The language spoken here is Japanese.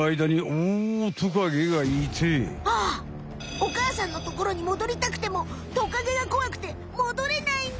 お母さんのところにもどりたくてもトカゲがこわくてもどれないんだ！